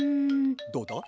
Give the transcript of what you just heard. どうだ？